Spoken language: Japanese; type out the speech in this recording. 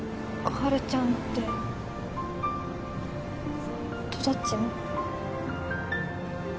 春ちゃんってとどっちの？